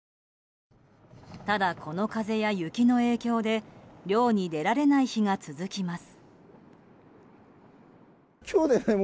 ただ、この風や雪の影響で漁に出られない日が続きます。